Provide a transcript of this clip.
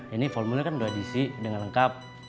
ini formulir kan udah diisi dengan lengkap